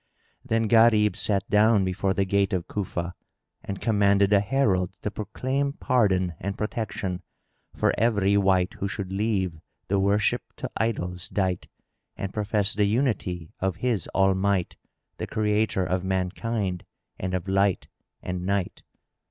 Then Gharib sat down before the gate of Cufa and commanded a herald to proclaim pardon and protection for every wight who should leave the worship to idols dight and profess the unity of His All might the Creator of mankind and of light and night.